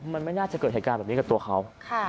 ว่าไม่น่าจะเกิดแบบนี้แบบนี้กับตัวเขา